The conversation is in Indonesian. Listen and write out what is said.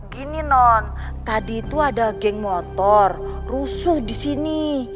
gini non tadi itu ada geng motor rusuh di sini